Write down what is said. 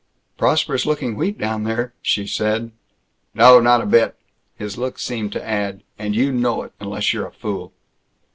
"Prosperous looking wheat down there," she said. "No. Not a bit!" His look seemed to add, "And you know it unless you're a fool!"